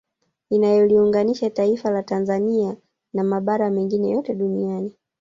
Inayoliunganisha taifa la Tanzania na mabara mengine yote duniani